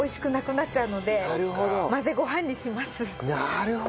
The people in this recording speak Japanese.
なるほど！